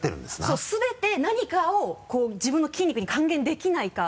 そう全て何かを自分の筋肉に還元できないか。